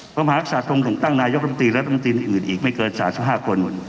ความหารักษาทรงถึงตั้งนายกรติรัฐมนตรีอื่นอื่นอีกไม่เกิน๓๕คน